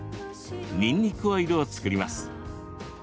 にんにくオイルを作ります。